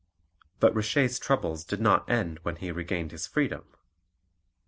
But Richer's troubles did not end when he regained his freedom.